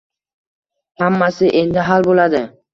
Hammasi endi hal bo‘ladi